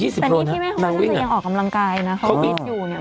แต่นี่ที่แม่เขาก็คือยังออกกำลังกายนะเขาฟิตอยู่เนี่ย